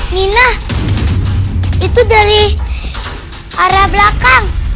mina itu dari arah belakang